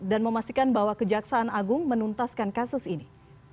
dan memastikan bahwa kejaksaan agung menuntaskan kasus ini